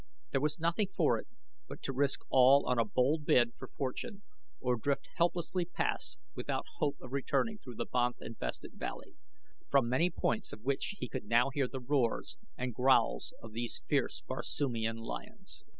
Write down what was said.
There was nothing for it but to risk all on a bold bid for fortune, or drift helplessly past without hope of returning through the banth infested valley, from many points of which he could now hear the roars and growls of these fierce Barsoomian lions.